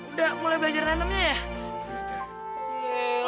udah mulai belajar nanemnya ya